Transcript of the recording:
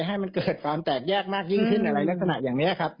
ให้มันเกิดความแตกแยกมากยิ่งขึ้นอะไรลักษณะอย่างนี้ครับ